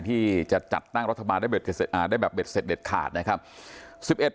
ที่จะจัดด้านรัฐบาลได้แบบเบ็ดเสร็จเด็ดขาด